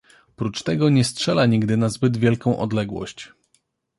Prócz tego nie strzela nigdy na zbyt wielką odległość.